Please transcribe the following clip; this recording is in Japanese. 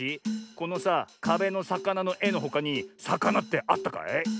このさかべのさかなのえのほかにさかなってあったかい？